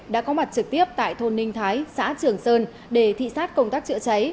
đã có mặt trực tiếp tại thôn ninh thái xã trường sơn để thị sát công tác chữa cháy